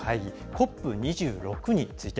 ＣＯＰ２６について。